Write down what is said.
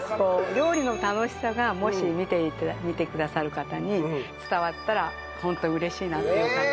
料理の楽しさがもし見てくださる方に伝わったらホントに嬉しいなっていう感じ。